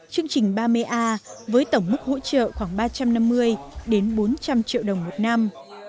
chương trình ba mươi a với tổng mức hỗ trợ khoảng ba trăm năm mươi đến bốn trăm linh triệu đồng một năm